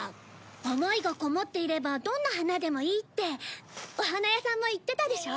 思いがこもっていればどんな花でもいいってお花屋さんも言ってたでしょ。